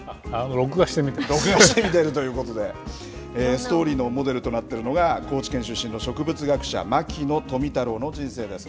録画して見てるということで、ストーリーのモデルとなっているのが、高知県出身の植物学者、牧野富太郎の人生です。